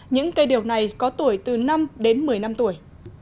những cây điều này có tuổi từ năm đến một mươi năm tuổi